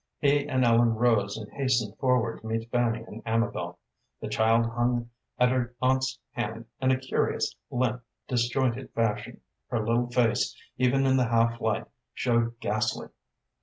He and Ellen rose and hastened forward to meet Fanny and Amabel. The child hung at her aunt's hand in a curious, limp, disjointed fashion; her little face, even in the half light, showed ghastly.